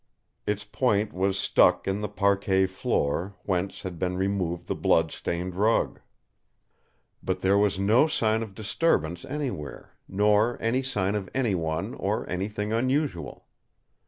Its point was stuck in the parquet floor, whence had been removed the blood stained rug. But there was no sign of disturbance anywhere; nor any sign of any one or anything unusual.